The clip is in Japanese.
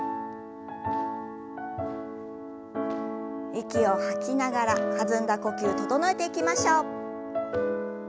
息を吐きながら弾んだ呼吸整えていきましょう。